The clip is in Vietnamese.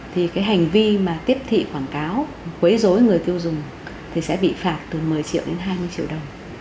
thì cái hành vi mà tiếp thị quảng cáo quấy dối người tiêu dùng thì sẽ bị phạt từ một mươi triệu đến hai mươi triệu đồng